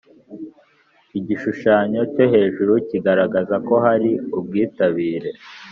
Igishushanyo cyo hejuru kigaragaza kohari ubwitabire